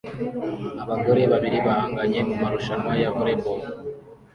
Abagore babiri bahanganye mu marushanwa ya volley ball